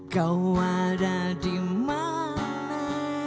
kau ada dimana